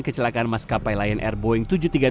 kecelakaan maskapai lion air boeing tujuh ratus tiga puluh